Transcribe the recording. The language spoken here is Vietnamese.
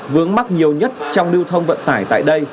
vướng mắt nhiều nhất trong lưu thông vận tải tại đây